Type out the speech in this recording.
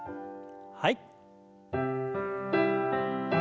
はい。